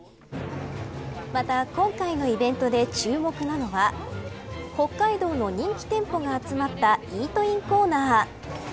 また今回のイベントで注目なのは北海道の人気店舗が集まったイートインコーナー。